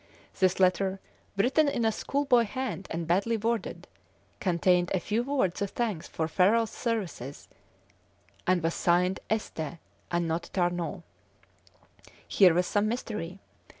This letter, written in a schoolboy hand and badly worded, contained a few words of thanks for Ferrol's services, and was signed "Este," and not Tarnaud. Here was more mystery.